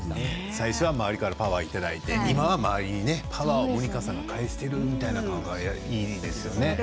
最初は周りからパワーをいただいて、今は周りにパワーをモニカさんが返してるみたいな感じがいいですよね。